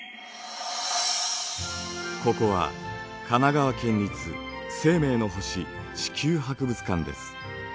ここは神奈川県立生命の星・地球博物館です。